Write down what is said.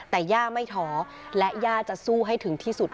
แต่ย่าไม่ท้อและย่าจะสู้ให้ถึงที่สุด